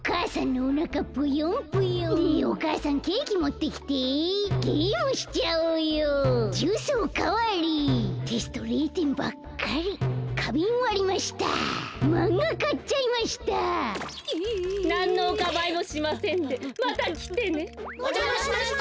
おじゃましました。